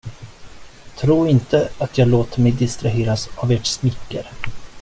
Tro inte, att jag låter mig distraheras av ert smicker.